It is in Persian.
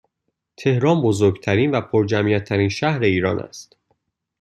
تهران بزرگترین و پرجمعیت ترین شهر ایران است